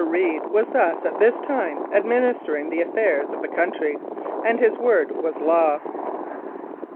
Reed was thus at this time administering the affairs of the country, and his word was law.